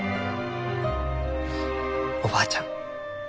おばあちゃん